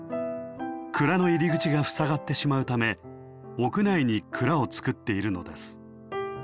蔵の入り口がふさがってしまうため屋内に蔵を造っているのです。